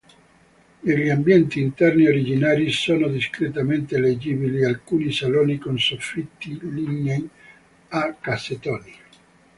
Degli ambienti interni originari sono discretamente leggibili alcuni saloni con soffitti lignei a cassettoni.